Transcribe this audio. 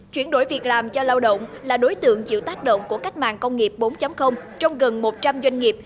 chuyển đổi việc làm cho lao động là đối tượng chịu tác động của cách mạng công nghiệp bốn trong gần một trăm linh doanh nghiệp